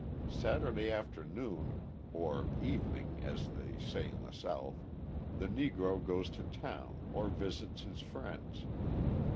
Saturday afternoon (or "evening," as they say in the South) the Negro goes to town or visits his friends.